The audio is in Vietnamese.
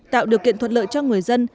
tạo điều kiện thuận lợi cho người dân